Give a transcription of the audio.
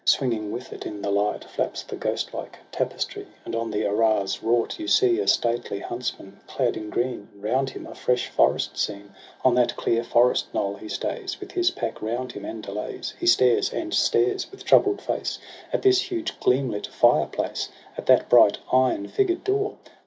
Swinging with it, in the light Flaps the ghostlike tapestry. And on the arras wrought you see A stately Huntsman, clad in green, And round him a fresh forest scene. On that clear forest knoll he stays, With his pack round him, and delays. He stares and stares, with troubled face, At this huge, gleam lit fireplace, At that bright, iron figured door.